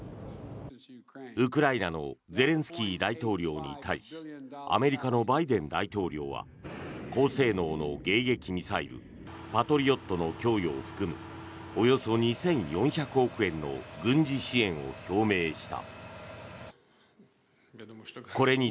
ウクライナのゼレンスキー大統領に対しアメリカのバイデン大統領は高性能の迎撃ミサイルパトリオットの供与を含むおよそ２４００億円の軍事支援を表明した。